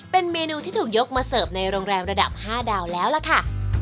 เป็นเมนูที่ถูกยกมาเสิร์ฟในโรงแรมระดับ๕ดาวแล้วล่ะค่ะ